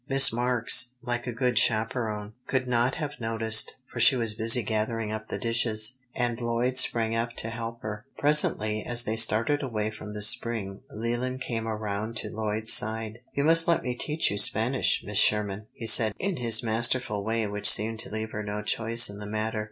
Miss Marks, like a good chaperone, could not have noticed, for she was busy gathering up the dishes, and Lloyd sprang up to help her. Presently, as they started away from the spring, Leland came around to Lloyd's side. "You must let me teach you Spanish, Miss Sherman," he said in his masterful way which seemed to leave her no choice in the matter.